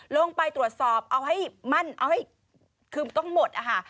ลงไปตรวจสอบเอาให้มั่นเอาให้คือต้องหมดนะคะ